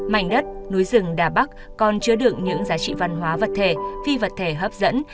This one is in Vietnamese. mảnh đất núi rừng đà bắc còn chứa đựng những giá trị văn hóa vật thể phi vật thể hấp dẫn